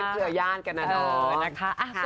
เอาไปเผื่อย่างกันนะน้อง